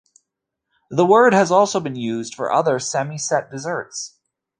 The word has also been used for other semi-set desserts.